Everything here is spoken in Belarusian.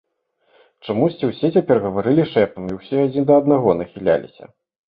Чамусьці ўсе цяпер гаварылі шэптам і ўсе адзін да аднаго нахіляліся.